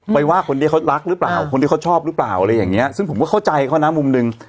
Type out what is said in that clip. ว่าคนที่เขารักหรือเปล่าคนที่เขาชอบหรือเปล่าอะไรอย่างเงี้ยซึ่งผมก็เข้าใจเขานะมุมหนึ่ง